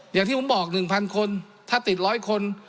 อย่างที่ผมบอก๑๐๐คนถ้าติด๑๐๐คน